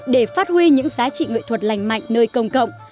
để phát huy những giá trị nghệ thuật lành mạnh nơi công cộng